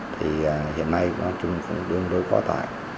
thì hiện nay chúng tôi cũng đương đối có tài